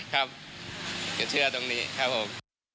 ครับอย่าเชื่อตรงนี้ครับผม